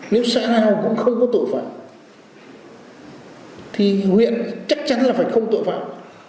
nếu xã nào cũng không có tội phạm thì huyện chắc chắn là phải không tội phạm